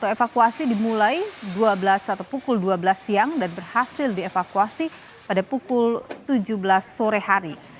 evakuasi dimulai dua belas atau pukul dua belas siang dan berhasil dievakuasi pada pukul tujuh belas sore hari